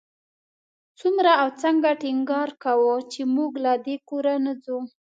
څومره او څنګه ټینګار کاوه چې موږ له دې کوره نه ځو.